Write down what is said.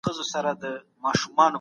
انسان بايد خپل عزت له سپکاوي وساتي.